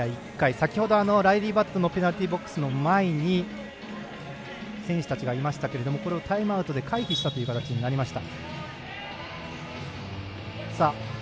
先ほど、ライリー・バットのペナルティーボックスの前に選手たちがいましたがこれをタイムアウトで回避したという形になりました。